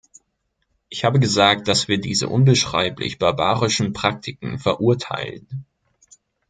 Ich habe gesagt, dass wir diese unbeschreiblich barbarischen Praktiken verurteilen.